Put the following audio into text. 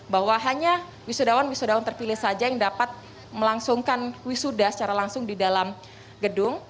bahwa hanya wisudawan wisudawan terpilih saja yang dapat melangsungkan wisuda secara langsung di dalam gedung